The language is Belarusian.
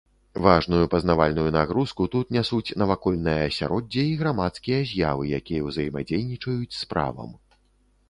Важную пазнавальную нагрузку тут нясуць навакольнае асяроддзе і грамадскія з'явы, якія ўзаемадзейнічаюць з правам.